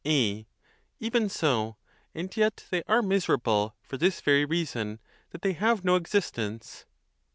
A. Even so, and yet they are miserable for this very reason, that they have no existence.